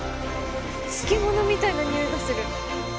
漬物みたいなにおいがする。